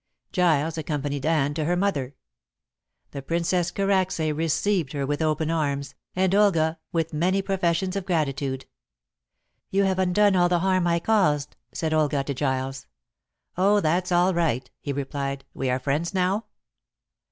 Giles accompanied Anne to her mother. The Princess Karacsay received her with open arms, and Olga with many professions of gratitude. "You have undone all the harm I caused," said Olga to Giles. "Oh, that's all right," he replied. "We are friends now?"